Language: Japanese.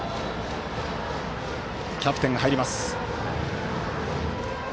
キャプテンが入ります。